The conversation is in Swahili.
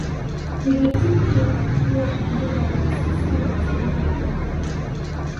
Bibi Titi alikuwa mmoja wa waasisi wa Azimio la Tabora